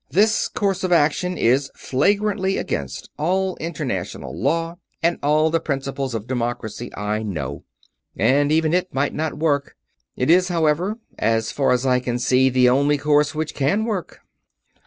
This course of action is flagrantly against all international law and all the principles of democracy, I know; and even it might not work. It is, however, as far as I can see, the only course which can work."